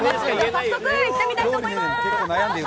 早速、行ってみたいと思いまーす。